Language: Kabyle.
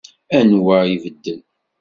Anwa i ibedden?